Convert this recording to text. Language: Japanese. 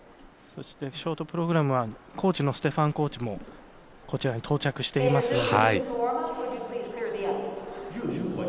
そして、ショートプログラムはステファンコーチもこちらに到着しています。